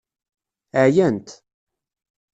Ɛyant.